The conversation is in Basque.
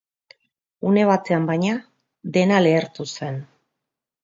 Une batean, baina, dena lehertu zen.